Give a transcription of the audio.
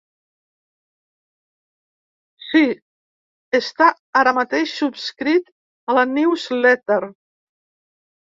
Sí, està ara mateix subscrit a la newsletter.